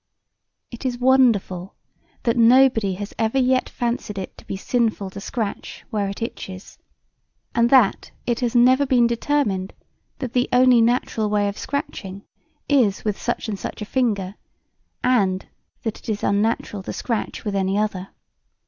It is wonderful that nobody has ever yet fancied it to be sinful to scratch where it itches, and that it has never been determined that the only natural way of scratching is with such or such a finger and that it is unnatural to scratch with any other.